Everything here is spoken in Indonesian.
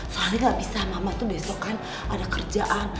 soalnya nggak bisa mama tuh besok kan ada kerjaan